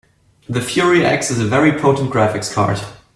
The Fury X is a very potent graphics card.